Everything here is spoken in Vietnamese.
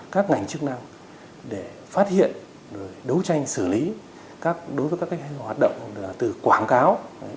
các ngành chức năng để phát hiện đấu tranh xử lý đối với các hành hoạt động từ quảng cáo